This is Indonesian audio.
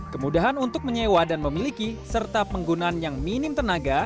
kemudahan untuk menyewa dan memiliki serta penggunaan yang minim tenaga